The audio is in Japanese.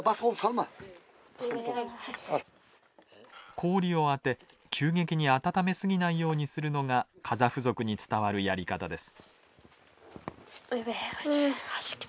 氷を当て急激に温め過ぎないようにするのがカザフ族に伝わるやり方です。